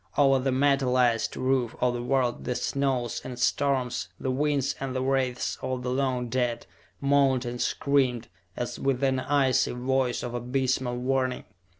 Over the metalized roof of the world the snows and storms, the winds and the wraiths of the long dead moaned and screamed as with an icy voice of abysmal warning.